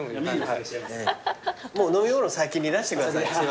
もう飲み物先に出してください。